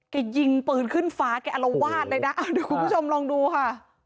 ยิงปืนขึ้นฟ้าแกอลวาดเลยนะเดี๋ยวคุณผู้ชมลองดูค่ะ